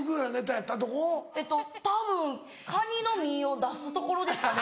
たぶんカニの身を出すところですかね。